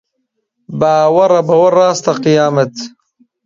باوەڕە بەوە ڕاستە قیامەت